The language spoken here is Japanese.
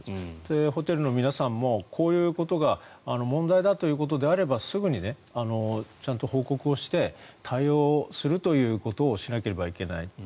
ホテルの皆さんもこういうことが問題だということであればすぐにちゃんと報告をして対応するということをしなければいけない。